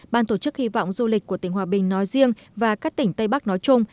ban tổ chức hy vọng du lịch của tỉnh hòa bình nói riêng và các tỉnh tây bắc nói chung